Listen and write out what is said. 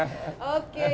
oke ya kita keluar